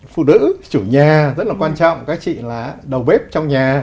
phụ nữ chủ nhà rất là quan trọng các chị là đầu bếp trong nhà